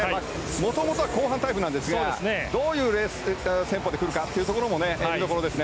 もともとは後半タイプなんですがどういうレース戦法で来るかも見どころですね。